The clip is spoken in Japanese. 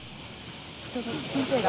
ちょうど先生が。